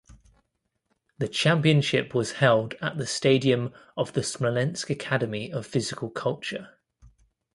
The championship was held at the stadium of the Smolensk Academy of Physical Culture.